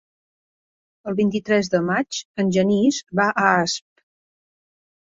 El vint-i-tres de maig en Genís va a Asp.